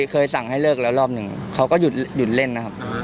เคยสั่งให้เลิกแล้วรอบหนึ่งเขาก็หยุดเล่นนะครับ